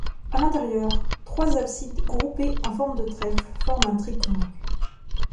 À l'intérieur, trois absides groupées en forme de trèfle forment un triconque.